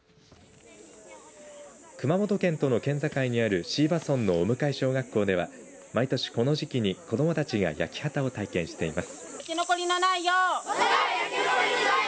熊本県との県境にある椎葉村の尾向小学校では毎年この時期に子どもたちが焼き畑を体験しています。